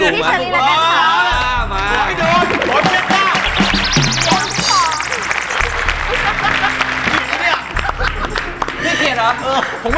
โอ้วโอ้วโอ้วโอ้ว